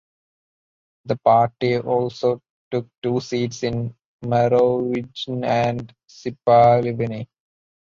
The party also took two seats in Marowijne and in Sipaliwini.